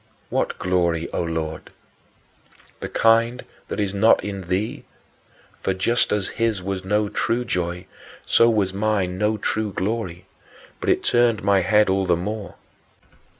What glory, O Lord? The kind that is not in thee, for, just as his was no true joy, so was mine no true glory; but it turned my head all the more.